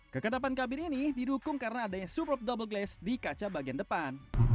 kekedapan kabin ini didukung karena adanya suprap double glass di kaca bagian depan